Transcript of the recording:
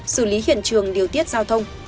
xử lý hiện trường điều tiết giao thông